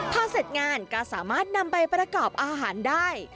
พอเสร็จงานก็สามารถนำไปประกอบอาหารได้